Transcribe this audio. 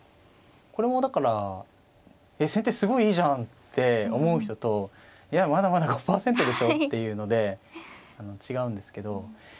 これもだから先手すごいいいじゃんって思う人といやまだまだ５％でしょっていうので違うんですけど。